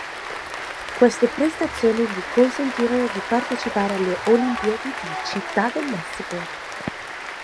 Queste prestazioni gli consentirono di partecipare alle Olimpiadi di Città del Messico.